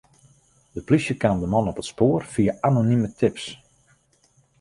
De plysje kaam de man op it spoar fia anonime tips.